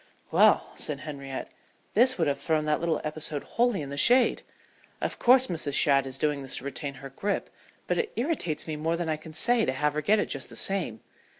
"Well," said Henriette, "this would have thrown that little episode wholly in the shade. Of course Mrs. Shadd is doing this to retain her grip, but it irritates me more than I can say to have her get it just the same.